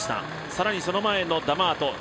更にその前のダマート。